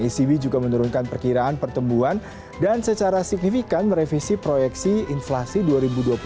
ecb juga menurunkan perkiraan pertumbuhan dan secara signifikan merevisi proyeksi inflasi dan perkembangan ekonomi